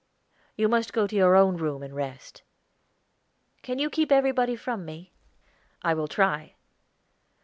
"You must go to your own room and rest." "Can you keep everybody from me?" "I will try."